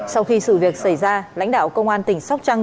sau khi sự việc xảy ra lãnh đạo công an tỉnh sóc trăng